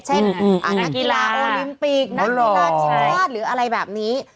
นักกีฬาโอลิมปิกนักกีฬาทีมชาติหรืออะไรแบบนี้